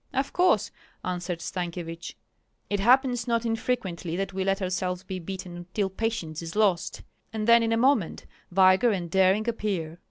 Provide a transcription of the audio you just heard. "Of course," answered Stankyevich. "It happens not infrequently, that we let ourselves be beaten till patience is lost, and then in a moment vigor and daring appear.